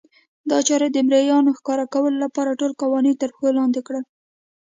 دا چارې د مریانو ښکار کولو لپاره ټول قوانین ترپښو لاندې کړل.